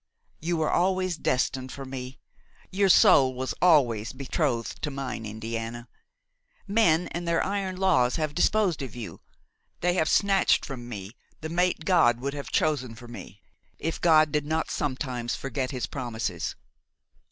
You were always destined for me; your soul was always betrothed to mine, Indiana! Men and their iron laws have disposed of you; they have snatched from me the mate God would have chosen for me, if God did not sometimes forget his promises.